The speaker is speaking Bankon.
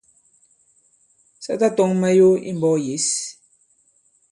Sa tatɔ̄ŋ mayo i mbɔ̄k yěs.